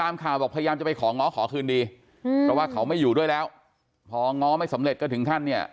อาชูด้วยแล้วพอง้อไม่สำเร็จก็ถึงท่านเนี่ย